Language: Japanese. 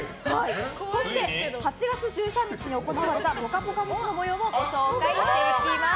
そして８月１３日に行われたぽかぽかＦＥＳの模様もご紹介します。